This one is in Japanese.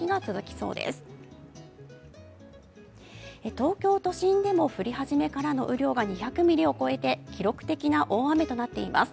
東京都心でも降り始めからの雨量が２００ミリを超えて記録的な大雨となっています。